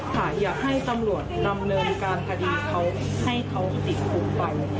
อยากให้ตำรวจดำเนินการคดีเขาให้เขาติดคุกไป